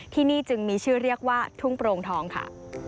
ที่นี่จึงมีชื่อเรียกว่าทุ่งโปรงทองค่ะ